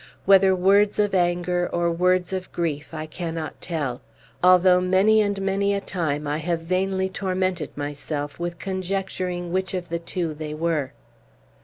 Whether words of anger, or words of grief, I cannot tell; although many and many a time I have vainly tormented myself with conjecturing which of the two they were.